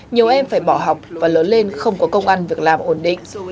nhiều em phải bỏ học và lớn lên không có công an việc làm ổn định